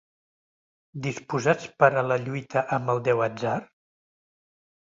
Disposats per a la lluita amb el déu Atzar?